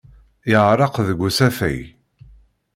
Yeɛreq deg usafag.